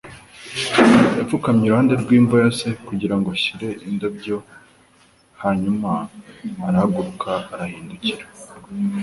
Yapfukamye iruhande rw'imva ya se kugira ngo ashyire indabyo, hanyuma arahaguruka arahindukira.